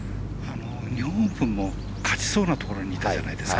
日本オープンも勝ちそうなところにいたじゃないですか。